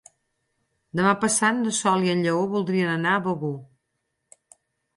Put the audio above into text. Demà passat na Sol i en Lleó voldrien anar a Begur.